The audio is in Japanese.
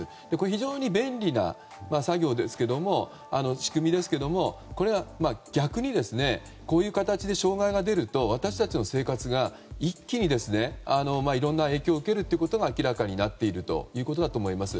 非常に便利な仕組みですけどもこれが逆に、こういう形で障害が出ると私たちの生活が一気にいろんな影響を受けるということが明らかになっているということだと思います。